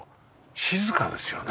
静かですよね。